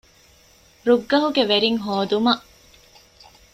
ރުއްގަހުގެ ވެރިން ހޯދުމަށް